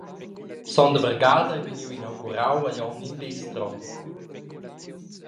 Sonda vargada ei vegniu inaugurau a Glion in bistro.